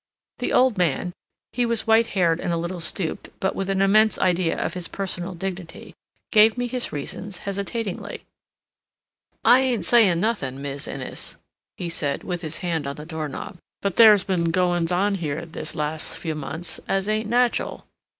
The old man—he was white haired and a little stooped, but with an immense idea of his personal dignity—gave me his reasons hesitatingly. "I ain't sayin' nothin', Mis' Innes," he said, with his hand on the door knob, "but there's been goin's on here this las' few months as ain't natchal.